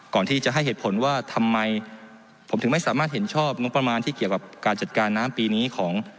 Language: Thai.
ก่อนที่จะให้เหตุผลว่าทำไมผมถึงไม่สามารถเห็นชอบงบประมาณที่เกี่ยวกับการจัดการน้ำปีนี้ของ